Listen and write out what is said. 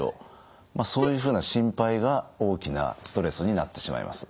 そういうふうな心配が大きなストレスになってしまいます。